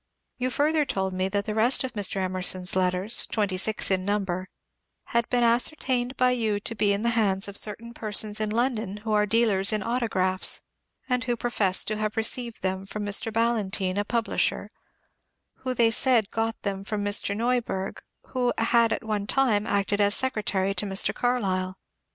You further told me that the rest of Mr. Emerson's letters, twenty six in number, had been ascertained by you to be in the hands of certain persons in London who are dealers in autographs, and who professed to have received them from Mr. BaJlantyne, a publisher, who they said had got them from Mr. Neuberg, who had at one time acted as a secretary to Mr. Carlyle.